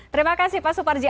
terima kasih pak suparji